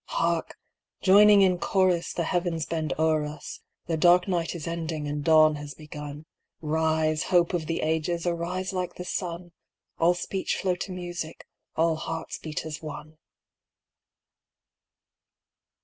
Hark! joining in chorus The heavens bend o'er us' The dark night is ending and dawn has begun; Rise, hope of the ages, arise like the sun, All speech flow to music, all hearts beat as one!